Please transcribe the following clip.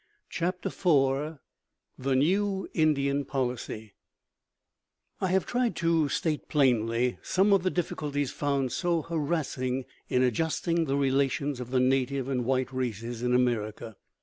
CHAPTER IV THE NEW INDIAN POLICY I have tried to state plainly some of the difficulties found so harassing in adjusting the relations of the native and white races in America.